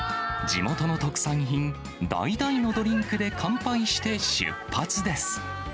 地元の特産品、だいだいのドリンクで乾杯して出発です。